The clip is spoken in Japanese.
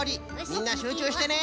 みんなしゅうちゅうしてね。